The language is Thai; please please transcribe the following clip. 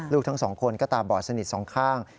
ทั้งสองคนก็ตาบอดสนิทสองข้าง